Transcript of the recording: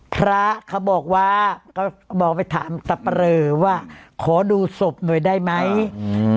พระเขาบอกว่าก็บอกไปถามสับปะเรอว่าขอดูศพหน่อยได้ไหมอืม